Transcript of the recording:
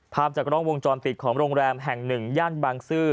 ภาพจากรองวงจรติดของโรงแรมแห่ง๑ย่านบางซื้อ